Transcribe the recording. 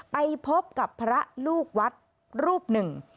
ไปพบกับพระลูกวัดรูปหนึ่ง